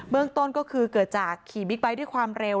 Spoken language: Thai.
เรื่องต้นก็คือเกิดจากขี่บิ๊กไบท์ด้วยความเร็ว